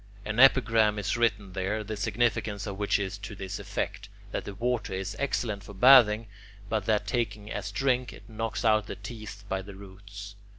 An epigram is written there, the significance of which is to this effect, that the water is excellent for bathing, but that taken as drink, it knocks out the teeth by the roots.